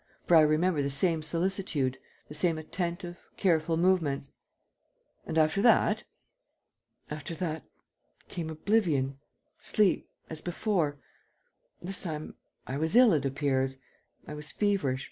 . for I remember the same solicitude, the same attentive, careful movements. ..." "And after that?" "After that, came oblivion, sleep, as before. ... This time, I was ill, it appears; I was feverish.